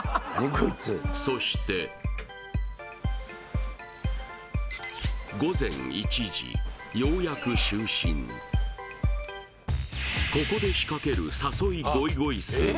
そして午前１時ようやく就寝ここで仕掛ける「ごいごいすー」